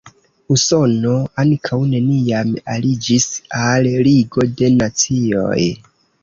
Usono ankaŭ neniam aliĝis al Ligo de Nacioj.